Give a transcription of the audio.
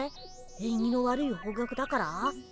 えんぎの悪い方角だから？